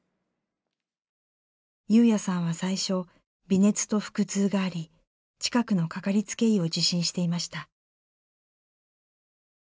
優也さんは最初微熱と腹痛があり近くのかかりつけ医を受診していました。